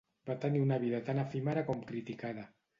Va tenir una vida tant efímera com criticada.